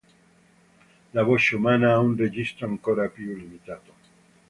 La voce umana ha un registro ancora più limitato.